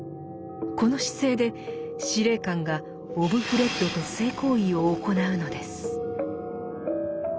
この姿勢で司令官がオブフレッドと性行為を行うのです。